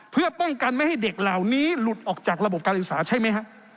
เพื่อป้องกันไม่ให้เด็กเหล่านี้หลุดออกจากระบบการศึกษาใช่ไหมฮะ